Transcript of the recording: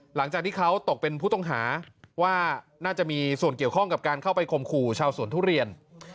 หลังจากที่เขาตกเป็นผู้ต้องหาว่าน่าจะมีส่วนเกี่ยวข้องกับการเข้าไปคมขู่ชาวสวนทุเรียน